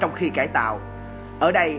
tôi giết bọn ấy